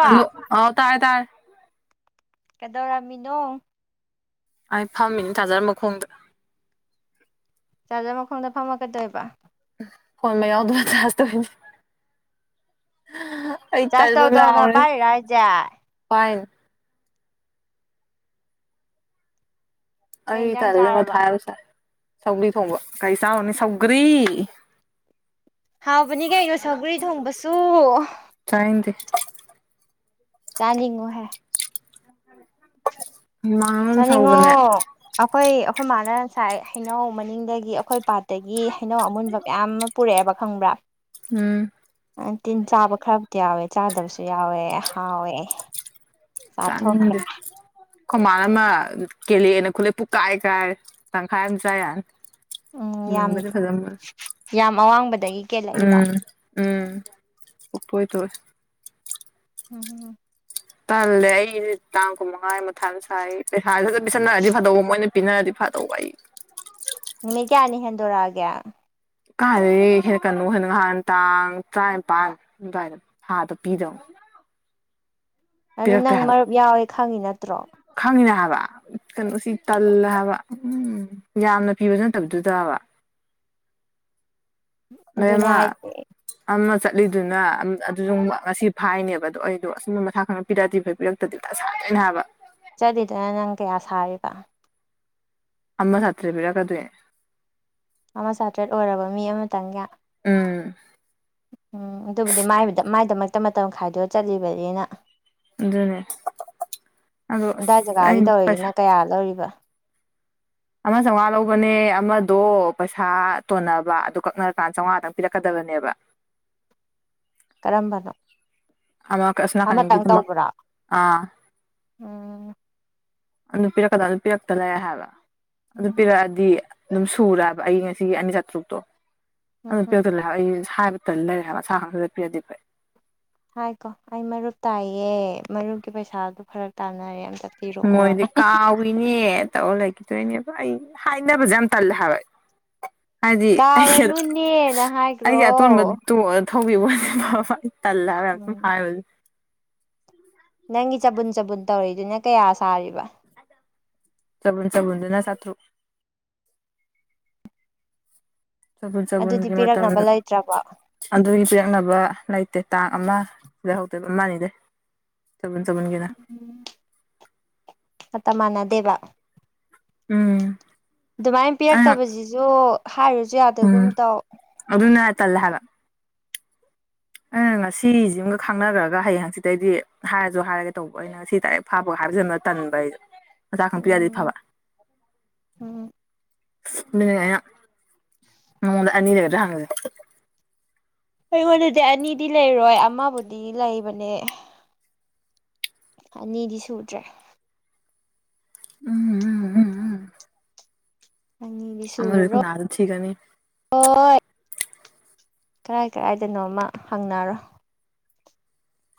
hello ꯑꯥꯎ ꯇꯥꯏ ꯇꯥꯏ ꯀꯩꯗꯧꯔꯝꯃꯤꯅꯣ ꯑꯩ ꯐꯝꯃꯤꯅꯦ ꯊꯥꯖꯔ ꯃꯈꯣꯡꯗ ꯆꯥꯔꯖꯔ ꯃꯈꯣꯡꯗ ꯐꯝꯃꯛꯀꯗꯣꯏꯕ ꯐꯣꯟ ꯃꯌꯥ ꯑꯗꯨꯃ ꯆꯥꯔꯖ ꯇꯧꯋꯤꯅꯤ ꯑꯩ ꯏ ꯇ ꯆꯥꯔꯖ ꯇꯧ ꯇꯧꯅ ꯑꯗꯨꯕꯨ ꯄꯥꯏꯔꯤꯔꯥ ꯍꯥꯏꯁꯦ ꯄꯥꯏꯅ ꯀꯩ ꯑꯩ ꯏꯟꯖꯥꯡ ꯊꯜꯅꯦ ꯃ ꯆꯥꯔꯕ ꯊꯥꯏꯔꯁꯥꯏ ꯁꯧꯒ꯭ꯔꯤ ꯊꯣꯡꯕ ꯀꯩ ꯆꯥꯔꯅꯤ ꯁꯧꯒ꯭ꯔꯤ ꯍꯥꯎꯕꯅꯤ ꯀꯩꯅꯣ ꯁꯧꯒꯔꯤ ꯊꯣꯡꯕꯁꯨ ꯆꯥꯏ ꯅꯤꯡꯗ‌ꯦ ꯆꯥꯅꯤꯡꯉꯨ ꯍꯦ ꯍꯨꯃꯥꯡꯅ ꯃꯔ‌ꯣꯝ ꯁꯧꯕꯅꯦ ꯑꯈꯣꯏ ꯑꯩꯈꯣꯏ ꯃꯥꯅ ꯉꯁꯥꯏ ꯍꯩꯅꯧ ꯃꯅꯤꯡꯗꯒꯤ ꯑꯩꯈꯣꯏ ꯄꯥꯠ ꯗꯒꯤ ꯍꯩꯅꯧ ꯑꯃꯨꯟꯕ ꯀꯌꯥꯝ ꯑꯃ ꯄꯨꯔꯛꯑꯦꯕ ꯈꯪꯕ꯭ꯔꯥ ꯎꯝ ꯇꯤꯟ ꯆꯥꯕ ꯈꯔꯕꯨꯗꯤ ꯌꯥꯎꯋꯦ ꯆꯥꯗꯕꯁꯨ ꯌꯥꯎꯋꯦ ꯍꯥꯎꯋꯦ ꯆꯥꯅꯤꯡ ꯆꯥꯊꯣꯛꯈ꯭ꯔꯦ ꯗ‌ꯦ ꯈ‌ꯣꯏ ꯃꯥꯅ ꯑꯃ ꯀꯦꯂꯛ ꯑꯦꯅ ꯈꯨꯜꯂꯛꯑ‌ꯦ ꯄꯨꯀꯥꯏ ꯀꯥꯏꯔ‌ꯦ ꯇꯪꯈꯥꯏ ꯑꯃ ꯆꯥꯏ ꯌꯥꯅꯤ ꯎꯝ ꯌꯥꯝ ꯃꯨꯟꯕꯗꯤ ꯐꯖ ꯃꯨꯟ ꯌꯥꯝ ꯑꯋꯥꯡꯕꯗꯒꯤ ꯀꯦꯜꯂꯛꯏꯔꯣ ꯎꯝ ꯎꯝ ꯄꯨꯛꯇ‌ꯣꯏ ꯇ‌ꯣꯏ ꯎꯝ ꯍꯝ ꯇꯜꯂꯦ ꯑꯩꯁꯦ ꯇꯥꯡ ꯀꯨꯟꯃꯉꯥ ꯃꯊꯥ ꯁꯥꯏ ꯄꯩꯁꯥ ꯁ ꯁꯠ ꯄꯤꯁꯟꯔꯗꯤ ꯐꯗꯧꯕ ꯃꯣꯏꯅ ꯄꯤꯅꯔꯗꯤ ꯐꯥꯗꯧꯕ ꯑꯩ ꯅꯨꯃꯤꯠ ꯀꯌꯥꯅꯤ ꯍꯦꯟꯗꯣꯔꯛꯑꯒꯦ ꯀꯥꯏꯗꯒꯤ ꯍꯦ ꯀꯩꯅꯣ ꯍ‌ꯦꯟꯅ ꯉꯍꯥꯟ ꯇꯥꯡ ꯇꯔꯥꯅꯤꯄꯥꯟ ꯑꯗꯨꯋꯥꯏꯗ ꯊꯥꯗ ꯄꯤꯗꯧ ꯑꯗꯨ ꯅꯪ ꯃꯔꯨꯞ ꯌꯥꯎꯋꯦ ꯈꯪꯉꯤ ꯅꯠꯇ꯭ꯔꯣ ꯈꯪꯉꯤꯅ‌ꯦ ꯍꯥꯏꯕ ꯀꯩꯅꯣꯁꯤ ꯇꯜꯂꯦ ꯍꯥꯏꯕ ꯎꯝ ꯌꯥꯝꯅ ꯄꯤꯕꯖꯨ ꯅꯠꯇꯕ ꯗꯨꯗꯕ ꯑꯗꯨꯅꯦ ꯃ‌ꯦꯝꯃꯥ ꯍꯥꯏꯁꯦ ꯑꯃ ꯆꯠꯂꯤꯗꯨꯅ ꯑꯗꯨꯖꯨ ꯉꯁꯤ ꯐꯥꯏꯅꯦꯕ ꯑꯗꯣ ꯑꯩꯗꯣ ꯑꯁ ꯃꯊꯥ ꯈꯔ ꯄꯤꯔꯛ ꯑꯗꯤ ꯐꯩ ꯄꯤꯔꯛꯇꯗꯤ ꯇ ꯁꯥꯗ‌ꯣꯏꯅ‌ꯦ ꯍꯥꯏꯕ ꯆꯠꯂꯤꯗꯨꯅ ꯅꯪ ꯀꯌꯥ ꯁꯥꯔꯤꯕ ꯑꯃ ꯆꯥꯇ꯭ꯔ‌ꯦꯠ ꯄꯤꯔꯛꯀꯗꯣꯏ ꯅ‌ꯦ ꯑꯃ ꯆꯥꯇ꯭ꯔꯦꯠ ꯑꯣꯏꯔꯕ ꯃꯤ ꯑꯃꯇꯪꯒꯤ ꯎꯝ ꯎꯝ ꯑꯗꯨꯕꯨꯗꯤꯗ ꯃꯥꯏ ꯃꯥꯏꯗꯃꯛꯇ ꯃꯇꯝ ꯈꯥꯏꯗꯣꯛꯑ ꯆꯠꯂꯤꯕꯅꯤꯅ ꯑꯗꯨꯅꯦ ꯑꯗꯣ ꯑꯁ ꯑꯗꯥꯏ ꯖꯒꯥꯒꯤ ꯑꯩ ꯄꯩꯁꯥ ꯇꯧꯔꯤꯖꯤꯅ ꯀꯌꯥ ꯂꯧꯔꯤꯕ ꯑꯃ ꯆꯥꯎꯉꯥ ꯂꯧꯕꯅꯦ ꯑꯃꯗꯣ ꯄꯩꯁꯥ ꯇꯣꯟꯅꯕ ꯑꯗꯨ ꯀꯛꯅꯔꯀꯥꯟ ꯆꯥꯎꯉꯥ ꯗꯪ ꯄꯤꯔꯛꯀꯗꯕꯅꯦꯕ ꯀꯔꯝꯕꯅꯣ ꯑꯃꯥ ꯀꯁ ꯅꯁ‌ꯣꯟ ꯅꯥꯀꯟꯒꯤ ꯑꯃꯇꯪ ꯗꯨꯃꯛ ꯇꯧꯕ꯭ꯔꯣ ꯑꯥ ꯎꯝ ꯑꯗꯨ ꯄꯤꯔꯛꯀꯗꯝ ꯄꯤꯔꯛꯇ ꯂꯩꯔ‌ꯦ ꯍꯥꯏꯕ ꯑꯗꯨ ꯎꯝ ꯄꯤꯔꯛꯑꯗꯤ ꯑꯗꯨꯝ ꯁꯨꯔ‌ꯦ ꯍꯥꯕ ꯑꯩꯒꯤ ꯉꯁꯤꯒꯤ ꯑꯅꯤ ꯆꯥꯇ꯭ꯔꯨꯛꯇꯣ ꯎꯝ ꯑꯗꯨꯝ ꯍꯝ ꯄꯤꯔꯛꯇ ꯂꯩ ꯑꯩ ꯍꯥꯏꯕ ꯇꯜ ꯂꯩꯔ‌ꯦ ꯍꯥꯏꯕ ꯁꯥꯈꯪ ꯁ ꯁꯠ ꯄꯤꯔꯗꯤ ꯐꯩ ꯍꯥꯏꯀꯣ ꯑꯩ ꯃꯔꯨꯞ ꯇꯥꯏꯌꯦ ꯃꯔꯨꯞꯀꯤ ꯄꯩꯁꯥꯗꯨ ꯐꯔꯛ ꯇꯥꯟꯅꯔꯦ ꯑꯝꯇ ꯃꯣꯏꯗꯤ ꯄꯤꯔꯛꯑꯣ ꯀꯥꯎꯏꯅꯦ ꯇꯧꯔ ꯂꯩꯒꯤꯗꯣꯏꯅꯦꯕ ꯑꯩ ꯍꯥꯏꯅꯕꯖ‌ꯦ ꯌꯥꯝ ꯇꯜꯂꯦ ꯍꯥꯏꯕ ꯍꯥꯏꯗꯤ ꯑꯩ ꯀꯥꯎꯔꯅꯨꯅꯦꯅ ꯑꯩꯒꯤ ꯍꯥꯏꯈ꯭ꯔꯣ ꯑꯇ‌ꯣꯟ ꯊꯧꯕꯤꯕ ꯑ‌ꯣꯏꯗꯤ ꯐꯕꯥ ꯇꯜꯂ‌ꯦ ꯍꯥꯏꯕ ꯌꯥꯝ ꯁꯨꯝ ꯎꯝ ꯍꯥꯏꯕꯖ‌ꯦ ꯅꯪꯒꯤ ꯆꯕꯨꯟ ꯆꯕꯨꯟ ꯇꯧꯔꯤꯗꯨꯅ ꯀꯌꯥ ꯁꯥꯔꯤꯕ ꯆꯕꯨꯟ ꯆꯕꯨꯟꯗꯨꯅ ꯆꯥꯇ꯭ꯔꯨ ꯆꯕꯨꯟ ꯑꯗꯨꯗꯤ ꯆꯕꯨꯟꯒꯤ ꯃꯇꯝ ꯄꯤꯔꯛꯅꯕ ꯂꯩꯇ꯭ꯔꯕꯣ ꯑꯗꯨꯒꯤ ꯄꯤꯔꯛꯅꯕ ꯂꯩꯇꯦ ꯇꯥꯡ ꯑꯃ ꯗꯩ ꯍꯧꯗꯣꯏꯕ ꯑꯃ ꯅꯤꯗꯩ ꯆꯕꯨꯟ ꯆꯕꯨꯟꯒꯤꯅ ꯃꯇꯝ ꯃꯅꯗꯦꯕ ꯎꯝ ꯗꯨꯃꯥꯏꯅ ꯑꯩꯅ ꯄꯤꯔꯛꯇꯕꯖꯤꯖꯨ ꯍꯥꯏꯔꯖꯨ ꯌꯥꯗꯒꯨꯝ ꯇꯧ ꯑꯗꯨꯨꯅ‌ꯦ ꯍꯥꯏ ꯇꯜꯂ‌ꯦ‌ ꯍꯥꯏꯕ ꯑꯩꯅ ꯉꯁꯤꯖꯤꯝ ꯒ ꯈꯪꯅꯒ꯭ꯔꯒ ꯍꯌꯦꯡ ꯍꯪꯆꯤꯠꯇꯩꯩꯗꯤ ꯍꯥꯏꯔꯖꯨ ꯍꯥꯏꯔꯒꯦ ꯇꯧꯕ ꯑꯩꯅ ꯉꯁꯤ ꯗꯥꯏꯔꯦꯛ ꯐꯥꯕꯒ ꯍꯥꯏꯖꯟꯕ ꯇꯟꯕ ꯑꯩꯗꯣ ꯃꯁꯥ ꯈꯪ ꯄꯤꯔꯛ ꯑꯗꯤ ꯎꯝ ꯐꯕ ꯎꯝ ꯃꯤ ꯑ ꯅꯉꯣꯟꯗ ꯑꯅꯤ ꯂꯩꯗ꯭ꯔ ꯍꯥꯡꯉꯁꯦ ꯑꯩꯉꯣꯟꯗꯗꯤ ꯑꯅꯤꯗꯤ ꯂꯩꯔꯣꯏ ꯑꯃꯕꯨꯗꯤ ꯂꯩꯕꯅꯦ ꯑꯅꯤꯗꯤ ꯁꯨꯗ꯭ꯔꯦ ꯎꯝ ꯎꯝ ꯎꯝ ꯎꯝ ꯑꯪ ꯑꯃꯔ ꯑꯣꯏꯨꯝ ꯑꯗꯀꯅꯤ ꯀꯔꯥꯏ ꯀꯔꯥꯏꯗꯅꯣꯃ ꯍꯪꯅꯔꯣ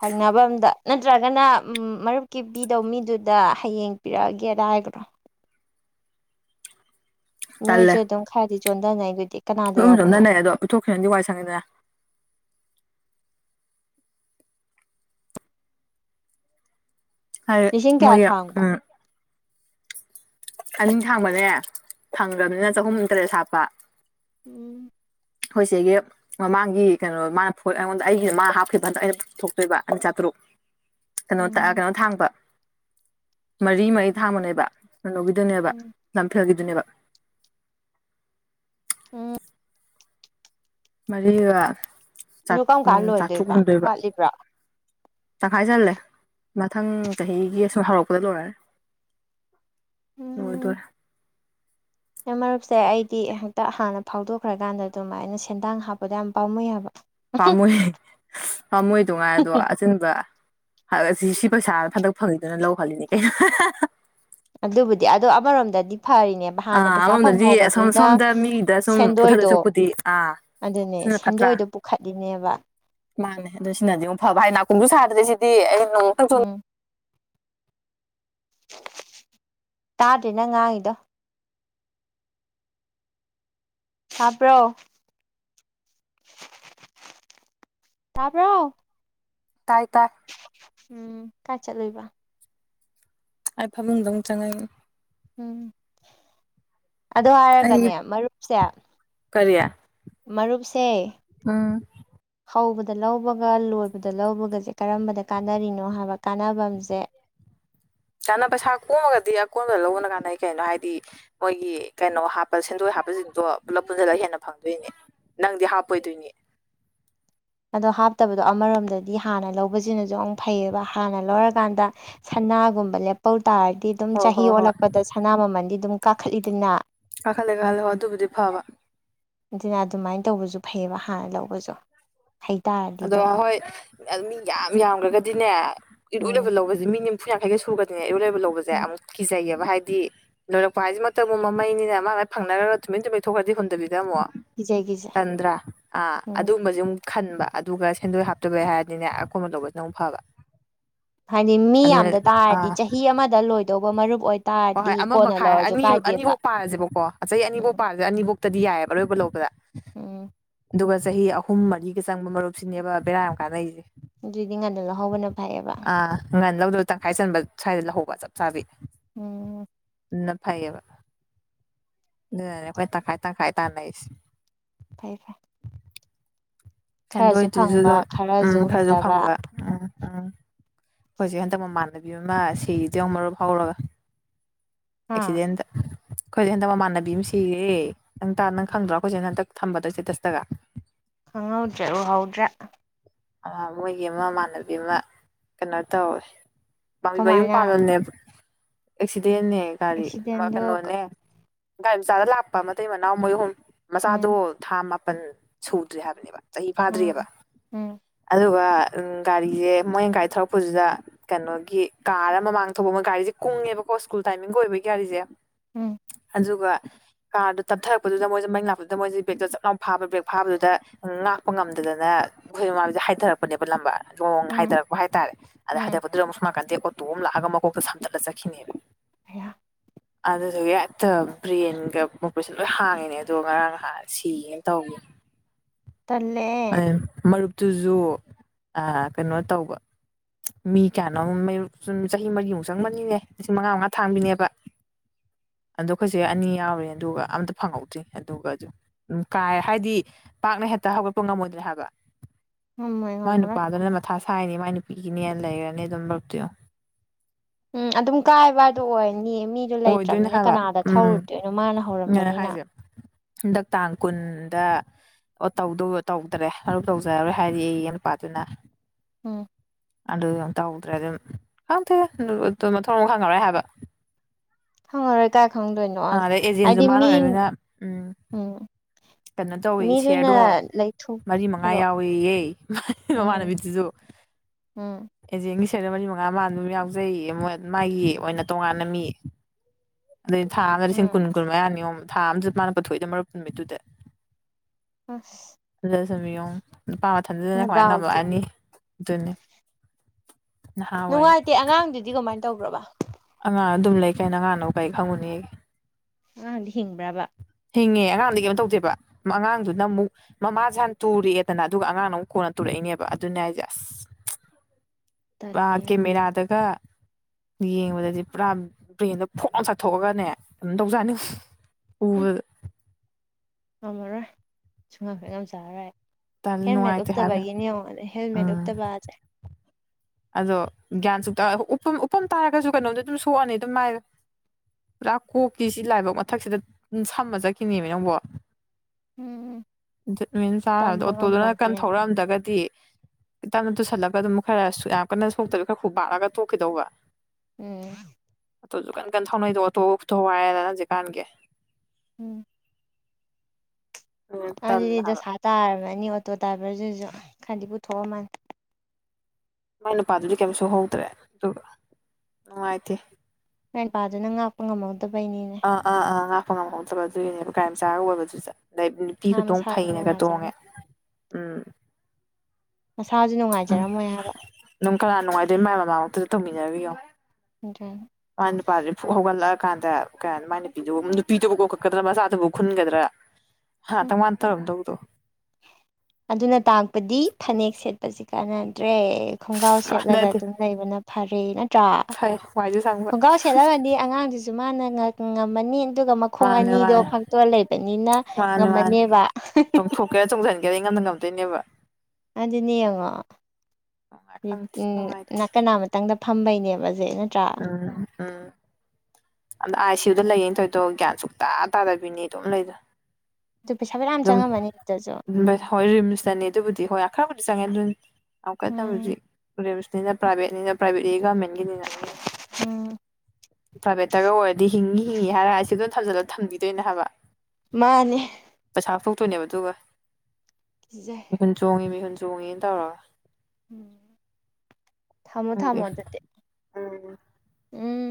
ꯍꯪꯅꯕ ꯑꯝꯗ ꯅꯠꯇ꯭ꯔꯒꯅ ꯃꯔꯨꯞꯀꯤ ꯄꯤꯗꯧ ꯃꯤꯗꯨꯗ ꯍꯌꯦꯡ ꯄꯤꯔꯛꯑꯒꯦꯗꯥꯏꯈ꯭ꯔꯣ ꯃꯣꯏꯁꯨ ꯑꯗꯨꯝ ꯈꯔꯗꯤ ꯆꯣꯟꯊꯅꯩꯒꯤꯗꯤ ꯂꯣꯏꯅ ꯂꯝꯅ ꯂꯩꯩ ꯑꯗꯣ ꯄꯨꯊꯣꯛꯈꯤꯕꯅꯗꯤ ꯋꯥꯏ ꯁꯪꯉꯗꯅ ꯍꯥꯏꯦ ꯂꯤꯁꯤꯡ ꯀꯌꯥ ꯃꯌꯥ ꯊꯥꯡꯕ ꯎꯝ ꯈꯅꯤꯡ ꯊꯥꯡꯕꯅꯦ ꯐꯪꯗ꯭ꯔꯕꯅꯤꯅ ꯆꯍꯨꯝ ꯇꯔꯦꯠ ꯁꯥꯞꯄ ꯎꯝ ꯑꯩꯈꯣꯏꯁꯤꯒꯤ ꯃꯃꯥꯡꯒꯤ ꯀꯩꯅꯣ ꯃꯥꯅ ꯑꯩꯉꯣꯟꯗ ꯑꯩꯒꯤ ꯃꯥ ꯍꯥꯞꯈꯤꯕ ꯍꯟꯗꯛꯇ ꯑꯩꯅ ꯊꯣꯛꯇꯣꯏꯕ ꯑꯩꯅ ꯆꯥꯇꯔꯨꯛ ꯀꯩꯅꯣ ꯎꯝ ꯀꯩꯅꯣ ꯊꯥꯡꯕ ꯃꯔꯤ ꯃꯔꯤ ꯊꯥꯡꯕꯅꯦꯕ ꯀꯅꯧꯕꯒꯤꯗꯨꯅꯦꯕ ꯎꯝ ꯅꯝꯊꯒꯤꯗꯨꯅꯦꯕ ꯎꯝ ꯃꯔꯤꯒ ꯑꯗꯨ ꯀꯔꯝ ꯀꯥꯟ ꯆꯥꯇ꯭ꯔꯨꯛ ꯂꯣꯏꯗꯣꯏꯕ ꯍꯨꯝꯗꯣꯏꯕ ꯋꯥꯠꯂꯤꯕ꯭ꯔꯣ ꯇꯪꯈꯥꯏꯁꯜꯂꯦ ꯃꯊꯪ ꯆꯍꯤꯒꯤ ꯑꯁꯨꯝ ꯍꯧꯔꯛꯄꯗ ꯂꯣꯏꯔꯔꯦ ꯎꯝ ꯍꯣꯏꯗ ꯅ ꯃꯔꯨꯞꯁꯦ ꯑꯩꯗꯤ ꯍꯦꯛꯇ ꯍꯥꯟꯅ ꯐꯥꯎꯗꯣꯛꯈ꯭ꯔꯀꯥꯟꯗ ꯑꯗꯨꯃꯥꯏꯅ ꯁꯦꯟꯗꯥꯡ ꯍꯥꯞꯄꯗ ꯌꯥꯝ ꯄꯥꯝꯃꯩꯑꯕ ꯄꯥꯝꯃꯣꯏ ꯄꯥꯝꯃꯣꯏ ꯉꯥꯏ ꯑꯗꯣ ꯑꯆꯤꯟꯕ ꯑꯁꯤ ꯁꯤ ꯄꯩꯁꯥ ꯐꯟꯗꯛ ꯐꯪꯉꯤꯗꯅ ꯂꯧ ꯈꯜꯂꯤꯅꯤ ꯀꯩꯅ ꯑꯗꯨꯕꯨꯗꯤ ꯑꯗꯣ ꯑꯃꯔꯣꯝꯗꯗꯤ ꯐꯔꯤꯅꯦꯕ ꯍꯥꯟꯅ ꯑꯥ ꯄꯩꯁꯥ ꯑꯃꯔꯣꯝꯗꯗꯤ ꯑꯁꯣꯝ ꯐꯪꯍꯧꯕꯗꯨꯅ ꯁꯣꯝꯗ ꯃꯤꯒꯤꯗ ꯁꯨꯝ ꯄꯨꯊꯗꯣꯏ ꯁꯦꯟꯗꯣꯏꯗꯣ ꯁꯔꯨꯛꯄꯨꯗꯤ ꯑꯥ ꯑꯗꯨꯅꯦ ꯁꯤꯅ ꯐꯠꯇ꯭ꯔꯥ ꯁꯦꯟꯗꯣꯏꯗꯣ ꯄꯨꯈꯠꯂꯤꯅꯦꯕ ꯃꯥꯅꯦ ꯑ ꯑꯗꯨ ꯁꯤꯅꯗꯤ ꯑꯃꯨꯛ ꯐꯕ ꯍꯥꯏꯅ ꯀꯣꯡꯖꯨ ꯁꯥꯗ꯭ꯔꯦ ꯁꯤꯗꯤ ꯑꯩꯣꯡ ꯎꯝ ꯇꯥꯗ꯭ꯔꯤ ꯅꯪ ꯉꯥꯡꯗꯣ ꯇꯥꯕ꯭ꯔꯣ ꯇꯥꯕ꯭ꯔꯣ ꯇꯥꯏ ꯇ ꯎꯝ ꯀꯥꯏ ꯆꯂꯣꯏꯕ ꯍꯥꯏꯐꯕꯨꯡꯗ ꯆꯪꯉꯛꯏꯅꯤ ꯎꯝ ꯑꯗꯨ ꯍꯥꯏꯔꯒꯅꯦ ꯃꯔꯨꯞꯁꯦ ꯀꯌꯥ ꯃꯔꯨꯞꯁꯦ [inaudible] ꯍꯧꯕꯗ ꯂꯧꯕꯒ ꯂꯣꯏꯕꯗ ꯂꯧꯕꯒꯁꯦ ꯀꯔꯝꯕꯗ ꯀꯥꯟꯅꯔꯤꯅꯣ ꯍꯥꯏꯕ ꯀꯥꯟꯅꯕ ꯑꯁꯦ ꯆꯥꯅ ꯄꯩꯁꯥ ꯀꯣꯝꯃꯒꯗꯤ ꯑꯀꯣꯟꯕ ꯂꯧꯕꯅ ꯀꯥꯟꯅꯩ ꯀꯩꯅꯣ ꯍꯥꯏꯗꯤ ꯃꯣꯏꯒꯤ ꯀꯩꯅꯣ ꯍꯥꯞꯄ ꯁꯦꯟꯗꯣꯏ ꯍꯥꯞꯄꯁꯤꯡꯗꯣ ꯄꯨꯂꯞ ꯄꯨꯟꯁꯤꯜꯂꯒ ꯍꯦꯟꯅ ꯐꯪꯗꯣꯏꯅꯦ ꯅꯪꯗꯤ ꯍꯥꯞꯄꯣꯏꯗꯣꯏꯅꯦ ꯑꯗꯣ ꯍꯥꯞꯇꯕꯗꯣ ꯑꯃꯔꯣꯝꯗꯗꯤ ꯍꯥꯟꯅ ꯂꯧꯕꯁꯤꯅꯁꯨ ꯑꯃꯨꯛ ꯐꯩꯌꯦꯕ ꯍꯥꯟꯅ ꯂꯧꯔꯀꯥꯟꯗ ꯁꯅꯥꯒꯨꯝꯕ ꯂꯦꯞꯄꯧ ꯇꯥꯔꯗꯤ ꯑꯗꯨꯝ ꯍꯣꯏ ꯆꯍꯤ ꯍꯣꯏ ꯍꯣꯏ ꯑꯣꯜꯂꯛꯄꯗ ꯁꯅꯥ ꯃꯃꯟꯗꯤ ꯑꯗꯨꯝ ꯀꯥꯈꯠꯂꯤꯗꯅ ꯀꯥꯈꯠꯂꯦ ꯀꯥꯈꯜꯂꯦ ꯍꯣ ꯑꯗꯨꯕꯨꯗꯤ ꯐꯕ ꯑꯗꯨꯅ ꯑꯗꯨꯃꯥꯏꯅ ꯇꯧꯕꯁꯨ ꯐꯩꯌꯦꯕ ꯍꯥꯟꯅ ꯂꯧꯕꯁꯨ ꯍꯩꯇꯥꯔ ꯑꯗꯣ ꯍꯣꯏ ꯃꯤ ꯌꯥꯝ ꯌꯥꯝꯈ꯭ꯔꯒꯗꯤꯅꯦ ꯏꯔꯣꯏ ꯎꯝ ꯂꯣꯏꯕ ꯂꯧꯕꯁꯤ ꯃꯤ ꯅꯤ ꯐꯨ ꯌꯥꯈꯩꯒ ꯁꯨꯒꯔ꯭ ꯗꯤꯅꯦ ꯏꯔꯣꯏ ꯂꯣꯏꯕ ꯂꯧꯕꯁꯦ ꯎꯝ ꯑꯃꯨꯛ ꯀꯤꯖꯩꯌꯦꯕ ꯍꯥꯏꯗꯤ ꯂꯣꯏꯔꯛꯄ ꯍꯥꯏꯁꯤꯃꯛꯇꯕꯨ ꯃꯃꯩꯅꯤꯅ ꯃꯥꯏ ꯃꯥꯏ ꯐꯪꯅꯔꯒ ꯇꯨꯃꯤꯟ ꯇꯨꯝꯃꯤꯟ ꯂꯩꯊꯣꯛꯈ꯭ꯔꯗꯤ ꯍꯨꯟꯗꯕꯤꯗ ꯑꯃꯨꯛ ꯀꯤꯖꯩ ꯀꯤꯖꯩ ꯆꯟꯗ꯭ꯔꯥ ꯑꯥ ꯎꯝ ꯑꯗꯨꯒꯨꯝꯕꯁꯦ ꯑꯃꯨꯛ ꯈꯟꯕ ꯑꯗꯨꯒ ꯁꯦꯟꯗꯣꯏ ꯍꯥꯞꯇꯕꯩ ꯍꯥꯏꯔꯗꯤꯅꯦ ꯑꯀꯣꯟꯕ ꯂꯧꯕꯖꯤꯅ ꯑꯃꯨꯛ ꯐꯕ ꯍꯥꯏꯗꯤ ꯃꯤ ꯑꯗꯨꯅ ꯌꯥꯝꯗ ꯇꯥꯔꯗꯤ ꯑꯥ ꯆꯍꯤ ꯑꯃꯗ ꯂꯣꯏꯗꯧꯕ ꯃꯔꯨꯞ ꯑꯣꯏ ꯍꯣꯏ ꯍꯣꯏ ꯑꯃ ꯃꯈꯥꯏ ꯑꯅꯤ ꯑꯅꯤꯐꯥꯎ ꯄꯥꯔꯁꯦꯕꯀꯣ ꯆꯍꯤ ꯑꯅꯤꯐꯥꯎ ꯎꯝ ꯄꯥꯔꯁꯦ ꯑꯅꯤꯐꯥꯎꯇꯗꯤ ꯌꯥꯏ ꯑꯕ ꯑꯔꯣꯏꯕ ꯂꯧꯕꯗ ꯎꯝ ꯑꯗꯨꯒ ꯆꯍꯤ ꯑꯍꯨꯝ ꯃꯔꯤꯒ ꯆꯪꯕ ꯃꯔꯨꯞꯁꯤꯅꯦꯕ ꯕꯦꯔꯥ ꯌꯥꯝ ꯀꯥꯟꯅꯔꯤꯁꯦ ꯑꯗꯨꯏꯗꯤ ꯉꯟꯅ ꯂꯧꯍꯧꯕꯅ ꯐꯩꯌꯦꯕ ꯉ ꯂꯧ [unintelligible] ꯇꯪꯈꯥꯏ ꯆꯟꯕ ꯁ꯭ꯋꯥꯏꯗ ꯂꯧꯍꯧꯕ ꯆꯞ ꯆꯥꯕꯤ ꯎꯝ ꯑꯗꯨꯅ ꯐꯩꯌꯦꯕ ꯑꯗꯨꯅꯅꯦ ꯑꯩꯈꯣꯏꯅ ꯇꯪꯈꯥꯏ ꯇꯪꯈꯥꯏ ꯇꯥꯟꯅꯩꯁꯦ ꯐꯩ ꯐꯩ ꯈꯔꯁꯨ ꯁꯦꯟꯗꯣꯏꯗꯨꯁꯨ ꯐꯪꯕ ꯑꯗꯨꯝ ꯎꯝ ꯈꯔꯁꯨ ꯍꯨꯟꯗꯕ ꯐꯪꯕ ꯑꯩꯈꯣꯏ ꯆꯦ ꯍꯟꯗꯛ ꯃꯃꯥꯟꯅꯕꯤ ꯑꯃ ꯁꯤꯔꯤꯖꯦ ꯌꯦꯡꯉꯣ ꯃꯔꯨꯞ ꯍꯧꯔꯒ ꯑꯥ ꯑꯦꯛꯁꯤꯗꯦꯟꯗ ꯑꯩꯈꯣꯏ ꯆꯦ ꯍꯟꯗꯛ ꯃꯃꯥꯟꯅꯕꯤ ꯑꯃ ꯁꯤꯔꯦ ꯅꯪ ꯇꯥ ꯅꯪ ꯈꯪꯗ꯭ꯔꯥ ꯑꯩꯈꯣꯏꯁ ꯆꯦꯅ ꯍꯟꯗꯛ ꯊꯝꯕꯗꯣ ꯁꯇꯦꯇꯁꯇꯒ ꯈꯪꯍꯧꯗ꯭ꯔꯦ ꯎꯍꯧꯗ꯭ꯔꯦ ꯃꯣꯏꯒꯤ ꯑꯃ ꯃꯃꯥꯟꯅꯕꯤ ꯑꯃ ꯀꯩꯅꯣ ꯇꯧꯋꯦ ꯄꯕꯤ ꯃꯌꯨꯝ ꯀꯃꯥꯏꯅ ꯄꯥꯜꯂꯝꯅꯦꯕ ꯑꯦꯛꯁꯤꯗꯦꯟꯅꯦ ꯒꯥꯔꯤ ꯑꯦꯛꯁꯤꯗꯦꯟꯗꯣ ꯀꯩꯅꯣꯅꯦ ꯒꯥꯔꯤ ꯃꯆꯥꯗ ꯂꯥꯛꯄ ꯃꯇꯩ ꯃꯅꯥꯎ ꯃꯣꯏ ꯑꯍꯨꯝ ꯃꯆꯥꯗꯣ ꯎꯝ ꯊꯥ ꯃꯥꯄꯜ ꯁꯨꯗ꯭ꯔꯤ ꯍꯥꯏꯕꯅꯦꯕ ꯆꯍꯤ ꯐꯥꯗ꯭ꯔꯤꯌꯦꯕ ꯎꯝ ꯎꯝ ꯑꯗꯨꯒ ꯒꯥꯔꯤꯁꯦ ꯃꯣꯏꯅ ꯒꯥꯔꯤ ꯊꯧꯔꯛꯄꯁꯤꯗ ꯀꯩꯅꯣꯒꯤ ꯀꯥꯔ ꯑꯃ ꯃꯃꯥꯡ ꯊꯧꯕ ꯒꯥꯔꯤꯁꯦ ꯀꯨꯡꯉꯦꯕꯀꯣ ꯁ꯭ꯀꯨꯜ ꯇꯥꯏꯃꯤꯡꯒ ꯑꯣꯏꯕꯒꯤ ꯒꯥꯔꯤꯁꯦ ꯎꯝ ꯑꯗꯨꯒ ꯀꯥꯔꯗꯣ ꯇꯞꯊꯔꯛꯄꯗꯨꯗ ꯃꯣꯏꯁꯦ ꯃꯅꯤꯡ ꯂꯥꯛꯄꯗꯨꯗ ꯃꯣꯏꯁꯦ ꯕꯔ꯭ꯦꯛ ꯆꯞ ꯂꯥꯎꯅ ꯐꯥꯕ ꯕꯔ꯭ꯦꯛ ꯐꯥꯕꯗꯨꯗ ꯉꯥꯛꯄ ꯉꯝꯗꯅ ꯒꯥꯔꯤ ꯃꯃꯥꯡꯗ ꯍꯥꯏꯊꯔꯛꯄꯅꯦꯕ ꯂꯥꯞꯕ ꯂꯣꯡꯅ ꯎꯝ ꯍꯥꯏꯊꯔꯛꯄ ꯍꯥꯏꯇꯥꯔꯦ ꯑꯗ ꯎꯝ ꯍꯟꯗꯔꯛꯄꯨꯗ ꯑꯃꯨꯛ ꯁꯣꯝꯅꯥꯀꯟꯗ ꯑꯣꯇꯣ ꯑꯃ ꯂꯥꯛꯑꯒ ꯃꯀꯣꯛꯇ ꯁꯝꯗꯠꯂ ꯆꯠꯈꯤꯕꯅꯦꯃꯤ ꯑꯌꯥ ꯑꯗꯨꯒꯤ ꯍꯦꯛꯇ ꯕ꯭ꯔꯦꯟꯒ ꯀꯣꯛꯀꯁꯨ ꯂꯣꯏ ꯍꯥꯡꯉꯤꯅꯦ ꯑꯗꯣ ꯉꯔꯥꯡ ꯅꯍꯥꯟ ꯁꯤꯌꯦꯅ ꯇꯧꯈꯤ ꯇꯜꯂꯦꯍꯦ ꯃꯔꯨꯞꯇꯨꯖꯨ ꯀꯩꯅꯣ ꯇꯧꯕ ꯃꯤ ꯀꯌꯥꯅꯣ ꯁꯨꯝ ꯆꯍꯤ ꯃꯔꯤꯃꯨꯛ ꯆꯪꯕꯅꯤꯅꯦ ꯂꯤꯁꯤꯡ ꯃꯉꯥ ꯃꯉꯥ ꯊꯥꯡꯕꯤꯅꯦꯕ ꯑꯗꯣ ꯑꯩꯈꯣꯏ ꯆꯦ ꯑꯅꯤ ꯌꯥꯎꯔꯦ ꯑꯗꯨꯒ ꯑꯝꯇ ꯐꯪꯍꯧꯗ꯭ꯔꯤ ꯑꯗꯨꯒ ꯑꯗꯨ ꯎꯝ ꯀꯥꯏ ꯍꯥꯏꯗꯤ ꯄꯥꯛꯅ ꯍꯦꯛꯇ ꯍꯧꯒꯠꯄ ꯉꯝꯃꯣꯏꯗꯣꯏꯅꯦ ꯍꯥꯏꯕ ꯉꯝꯃꯣꯏ ꯃꯥꯏ ꯉꯝꯃꯔꯣꯏ ꯅꯨꯄꯥꯗꯨꯅ ꯁꯥꯏꯅꯤ ꯃꯥꯏ ꯅꯨꯄꯤꯒꯤꯅꯦꯅ ꯂꯩꯔꯅꯤ ꯑꯗꯨꯝ ꯃꯔꯨꯞꯇꯨ ꯌꯦꯡꯉꯣ ꯎꯝ ꯑꯗꯨꯝ ꯀꯥꯏꯕ ꯍꯥꯏꯗꯣ ꯑꯣꯏꯔꯅꯤ ꯃꯤ ꯑꯗꯨ ꯑꯣꯏꯗꯣꯏꯅꯦ ꯂꯩꯇ꯭ꯔꯕꯅꯤꯅ ꯍꯥꯏꯕ ꯀꯅꯥꯗ ꯎꯝ ꯊꯧꯔꯨꯗꯣꯏꯅꯣ ꯃꯥꯅ ꯅ ꯍꯧꯔꯝꯕꯅꯤꯅ ꯍꯥꯏꯁꯦ ꯍꯟꯗꯛ ꯇꯥꯡ ꯀꯨꯟꯗ ꯑꯣꯠ ꯇꯧꯗꯨ ꯇꯧꯗ꯭ꯔꯦ ꯃꯔꯨꯞ ꯇꯧꯖꯔꯔꯣꯏ ꯍꯥꯏꯔꯛꯑꯦ ꯌꯦ ꯅꯨꯄꯥꯗꯨꯅ ꯎꯝ ꯑꯗꯨ ꯇꯧꯗ꯭ꯔꯦ ꯑꯗꯨꯝ ꯈꯪꯗꯦꯗ ꯃꯊꯣꯡ ꯃꯔꯝ ꯈꯪꯉꯔꯣꯏ ꯍꯥꯏꯕ ꯈꯪꯉꯔꯣꯏ ꯀꯥꯏ ꯈꯪꯗꯣꯏꯅꯣ ꯑꯗꯩ ꯑꯦꯖꯦꯟꯁꯨ ꯍꯥꯏꯗꯤ ꯃꯥꯅ ꯃꯤ ꯑꯣꯏꯔꯕꯅꯤꯅ ꯎꯝ ꯀꯩꯅꯣ ꯇꯧꯋꯦ ꯃꯤꯗꯨꯅ ꯁꯤꯌꯔꯗꯣ ꯂꯩꯊꯣꯛ ꯃꯔꯤ ꯃꯉꯥ ꯍꯥꯏꯔꯛꯑꯣ ꯌꯥꯎꯋꯦꯌꯦ ꯎꯝ ꯃꯃꯥꯟꯅꯕꯤꯗꯨꯁꯨ ꯎꯝ ꯑꯦꯖꯦꯟꯒꯤꯁꯔꯗ ꯃꯔꯤ ꯃꯉꯥ ꯃꯥꯟ ꯑꯗꯨꯝ ꯌꯥꯎꯖꯩ ꯃ ꯃꯥꯒꯤ ꯑꯣꯏꯅ ꯇꯣꯡꯉꯥꯟꯅ ꯃꯤ ꯑꯗꯩꯗꯤ ꯊꯥ ꯑꯃꯒ ꯂꯤꯁꯤꯡ ꯎꯝ ꯀꯨꯟ ꯀꯨꯟ ꯃꯉꯅꯤꯌꯣꯝ ꯊꯥ ꯑꯃ ꯆꯞ ꯃꯥꯟꯅ ꯄ ꯊꯣꯛꯏꯗꯕ ꯃꯔꯨꯞ ꯅꯨꯃꯤꯠꯇꯨꯗ ꯑꯁ ꯑꯗꯨꯗꯁꯨ ꯌꯣꯡ ꯅꯨꯄꯥ ꯃꯇꯝꯊꯟꯗꯨꯗꯅ ꯀꯃꯥꯏꯅ ꯅꯗꯥꯎꯗꯤ ꯉꯝꯂꯛꯑꯅꯤ ꯑꯗꯨꯅꯤ ꯅꯍꯥ ꯑꯣꯏꯅ ꯅꯨꯡꯉꯥꯏꯇꯦ ꯑꯉꯥꯡꯗꯨꯗꯤ ꯀꯃꯥꯏꯅ ꯇꯧꯕ꯭ꯔꯣꯕ ꯑꯉꯥꯡ ꯑꯗꯨꯝ ꯂꯩ ꯀꯥꯏꯅ ꯑꯉꯥꯡꯅꯣ ꯀꯩ ꯈꯪꯉꯨꯅꯤ ꯑꯉꯥꯡꯗꯤ ꯍꯤꯡꯕ꯭ꯔꯥꯕ ꯍꯤꯡꯉꯦ ꯑꯉꯥꯡꯗ ꯀꯩꯅꯣ ꯇꯧꯗꯦꯕ ꯑꯉꯥꯡꯗꯨꯅ ꯑꯃꯨꯛ ꯃꯃꯥꯁꯦ ꯍꯥꯟ ꯇꯨꯔꯛꯑꯦꯗꯅ ꯑꯗꯨꯒ ꯑꯉꯥꯡꯅ ꯑꯃꯨꯛ ꯀꯣꯟꯅ ꯇꯨꯔꯛꯏꯅꯦꯕ ꯑꯗꯨꯅꯦ ꯍꯥꯏꯁꯦ ꯑꯁ ꯋꯥ ꯇꯜꯂꯦ ꯀꯦ ꯃꯤ ꯔꯥꯗꯒ [inaudible] ꯌꯦꯡꯕꯗꯗꯤ ꯄꯨꯔꯥ ꯕ꯭ꯔꯦꯟꯗ ꯐꯣꯔ ꯑꯃ ꯆꯥꯊꯣꯛꯑꯒꯅꯦ ꯑꯗꯨꯝ ꯇꯧꯖꯥꯅꯤ ꯎꯝ ꯎꯕꯗ ꯉꯝꯃꯔꯣꯏ ꯁꯨꯡꯉꯝꯈꯣꯏ ꯉ ꯆꯥꯔꯔꯣꯏ ꯇꯜꯂꯤ ꯍꯦꯜꯃꯦꯠ ꯅꯨꯡꯉꯥꯏꯇꯦ ꯍꯥꯏꯕ ꯎꯞꯇꯕꯒꯤꯅꯦꯉ ꯍꯦꯜꯃꯦꯠ ꯎꯝ ꯎꯞꯇꯕꯁꯦ ꯑꯗꯣ ꯒ꯭ꯌꯥꯟ ꯁꯨꯛꯇ ꯎ ꯎꯞꯄꯝ ꯇꯥꯔꯒꯁꯨ ꯀꯩꯅꯣꯝꯗ ꯑꯗꯨꯝ ꯁꯣꯛꯑꯅꯤ ꯑꯗꯨꯝ ꯃꯥꯏꯕ ꯄꯨꯔꯥ ꯀꯣꯛꯇꯁꯤ ꯂꯥꯏꯕꯛ ꯃꯊꯛꯁꯤꯗ ꯁꯝꯃ ꯆꯠꯈꯤꯅꯦꯕ ꯅꯪꯕꯣ ꯎꯝ ꯃꯤꯟ ꯆꯥꯗ ꯇꯝꯕ ꯑꯣꯇꯣꯗꯨꯅ ꯀꯟ ꯉꯝꯄꯣꯟꯇꯦ ꯊꯧꯔꯛꯑꯝꯗ꯭ꯔꯒꯗꯤ ꯏꯇꯞꯅ ꯇꯨꯁꯜꯂꯒ ꯑꯗꯨꯝ ꯈꯔ ꯌꯥꯝ ꯀꯟꯅ ꯁꯣꯛꯇꯕꯤ ꯈꯔ ꯈꯨꯕꯥꯔꯂꯒ ꯇ ꯊꯣꯛꯈꯤꯗꯧꯕ ꯎꯝ ꯑꯇꯣꯁꯨ ꯀꯟ ꯊꯧꯅꯗꯣ ꯑꯣꯇꯣ ꯀ ꯄꯨꯊꯣꯛ ꯍꯥꯏꯔꯦꯅ ꯅꯪꯖꯤꯛꯀꯥꯟꯒꯤ ꯎꯝ ꯑꯗꯨꯅ ꯑꯗꯨꯗꯤ ꯇꯜꯂꯦ ꯍꯥꯏꯕ ꯗꯁꯥ ꯇꯥꯔꯕꯅꯤ ꯑꯣꯇꯣ ꯗ꯭ꯔꯥꯏꯚꯔꯁꯤꯁꯨ ꯈꯔꯗꯤ ꯄꯨꯊꯣꯛꯑꯝꯃꯜꯅꯤ ꯃꯥꯏ ꯅꯨꯄꯥꯗꯨꯗꯤ ꯀꯤꯝ ꯁꯍꯧꯗ꯭ꯔꯦ ꯑꯗꯨꯒ ꯅꯨꯡꯉꯥꯏꯇꯦ ꯅꯥꯏ ꯅꯨꯄꯥꯗꯨ ꯅꯅ ꯉꯥꯛꯄ ꯉꯝꯍꯧꯗꯕꯩꯅꯤꯅꯦ ꯑꯥ ꯑꯥ ꯑꯥ ꯉꯥꯛꯄ ꯉꯝꯍꯧꯗꯕ ꯑꯗꯨꯒꯤꯅꯦꯕ ꯀꯥꯝ ꯆꯥꯒ ꯑꯣꯏꯕꯗꯨ ꯅꯨꯄꯤ ꯃꯥ ꯈꯨꯇꯣꯡ ꯃꯁꯥꯗ ꯐꯩꯅꯒ ꯇꯣꯡꯉꯦ ꯅꯨꯡꯉꯥꯏꯖꯔꯝꯃꯣꯏ ꯎꯝ ꯃꯁꯥꯖꯤꯅ ꯎꯝ ꯑꯗꯨꯝ ꯀꯅꯥ ꯅꯨꯡꯉꯥꯏꯗꯣꯏ ꯃꯌꯥꯝ ꯃꯃꯥꯡꯃꯛꯇꯗ ꯇꯧꯃꯤꯟꯅꯕꯤꯌꯣ ꯑꯗꯨꯅꯦ ꯃꯥ ꯅꯨꯄꯥꯗꯨꯗꯤ ꯐꯨꯛ ꯍꯧꯒꯠꯂꯛꯑꯀꯥꯟꯗ ꯀꯩ ꯃꯥꯏ ꯅꯨꯄꯤꯗꯨꯕꯨ ꯅꯨꯄꯤꯗꯨꯕꯨ ꯀꯣꯛꯈꯠꯀꯗ꯭ꯔꯥ ꯃꯆꯥꯗꯨꯕꯨ ꯈꯨꯟꯒꯗ꯭ꯔꯥ ꯍꯥꯥ ꯇꯃꯗ ꯇꯔꯝꯗꯧꯗ ꯑꯗꯨꯅ ꯇꯥꯛꯄꯗꯤ ꯐꯅꯦꯛ ꯁꯦꯠꯄꯁ ꯀꯥꯟꯅꯗ꯭ꯔꯦ ꯈꯣꯡꯒ꯭ꯔꯥꯎ ꯁꯦꯠꯂꯒ ꯀꯥꯟꯅꯗꯦ ꯑꯗꯨꯝ ꯂꯩꯕꯅ ꯐꯔꯦ ꯅꯠꯇ꯭ꯔꯥ ꯐꯩ ꯋꯥꯏꯁꯨ ꯁꯪꯕ ꯈꯣꯡꯒ꯭ꯔꯥꯎ ꯈꯦꯠꯂꯝꯃꯗꯤ ꯑꯉꯥꯡꯗꯨꯁꯨ ꯃꯥꯅ ꯉꯝꯃꯅꯤ ꯑꯗꯨꯒ ꯃꯈꯣꯡ ꯃꯥꯅꯦ ꯑꯅꯤꯗꯣ ꯃꯥꯅꯦ ꯈꯛꯇꯣ ꯂꯩꯕꯅꯤꯅ ꯉꯝꯃꯅꯦꯕ ꯀꯔ ꯆꯣꯡꯁꯤꯟꯒꯦ ꯑꯩ ꯉꯝꯅ ꯉꯝꯗꯣꯏꯅꯦꯕ ꯑꯗꯨꯅꯦ ꯌꯦꯡꯉꯣ ꯅꯨꯡꯉꯥꯏ ꯈꯪꯗꯦ ꯅꯨꯡꯉꯥꯏꯇꯦ ꯎꯅꯥ ꯀꯅꯥ ꯈꯤꯇꯪꯗ ꯐꯝꯕꯩꯅꯦꯕꯁꯦ ꯅꯠꯇ꯭ꯔꯥ ꯎꯝ ꯎꯝ ꯑꯗ ꯑꯥꯏ ꯁꯤ ꯌꯨꯗ ꯂꯩꯌꯦꯅ ꯊꯧꯣꯏꯗꯣ ꯒ꯭ꯌꯥꯟ ꯁꯨꯛꯇ ꯇꯥꯗꯕꯤꯅꯤ ꯑꯗꯨꯝ ꯂꯩꯗꯣ ꯑꯗꯨ ꯄꯩꯁꯥ ꯄꯔꯥ ꯌꯥꯝ ꯑꯗꯨꯝ ꯆꯪꯉꯃꯅꯤ ꯑꯗꯨꯗꯁꯨ ꯍꯣꯏ ꯔꯤꯝꯁꯇꯅꯦ ꯑꯗꯨꯕꯨꯗꯤ ꯍꯣꯏ ꯈꯔꯕꯨꯗꯤ ꯆꯪꯉꯦ ꯑꯗꯨ ꯌꯥꯝ ꯎꯝ ꯀꯟꯅꯕꯨꯗꯤ ꯔꯤꯝꯁꯅꯤꯅ ꯄ꯭ꯔꯥꯏꯚꯦꯠꯅꯤꯅ ꯄ꯭ꯔꯥꯏꯚꯦꯠꯂꯤ ꯒꯚꯃꯦꯟꯒꯤꯅꯤꯅ ꯎꯝ ꯄ꯭ꯔꯥꯏꯚꯦꯠꯇꯒ ꯑꯣꯏꯔꯗꯤ ꯍꯤꯡꯉꯤ ꯍꯤꯡꯉꯤ ꯍꯥꯏꯔ ꯁꯤ ꯑꯗꯨꯝ ꯊꯝꯖꯤꯜꯂꯒ ꯊꯝꯕꯤꯗꯣꯏꯅꯦ ꯍꯥꯏꯕ ꯃꯥꯅꯦ ꯄꯩꯁꯥ ꯐꯣꯛꯇꯣꯏꯅꯦꯕ ꯑꯗꯨꯒ ꯌꯥꯏ [inaudible] ꯃꯤꯍꯨꯟ ꯆꯣꯡꯉꯤ ꯃꯤꯍꯨꯟ ꯆꯣꯡꯉꯦꯅ ꯇꯧꯔꯒ ꯎꯝ ꯊꯝꯃꯣ ꯈꯪꯗꯦ ꯊꯝꯃꯣ ꯑꯗꯨꯗꯤ ꯎꯝ ꯎꯝ